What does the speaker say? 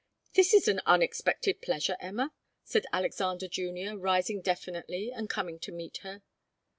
"This is an unexpected pleasure, Emma," said Alexander Junior, rising definitely and coming to meet her.